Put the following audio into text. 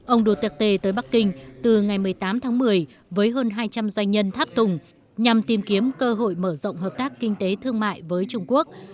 ông duterte tới bắc kinh từ ngày một mươi tám tháng một mươi với hơn hai trăm linh doanh nhân tháp tùng nhằm tìm kiếm cơ hội mở rộng hợp tác kinh tế thương mại với trung quốc